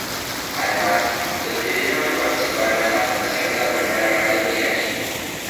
Además, les pidieron que participaran en la fundación de la primera radio iraquí.